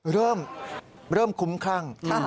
เริ่มเริ่มคุ้มข้าง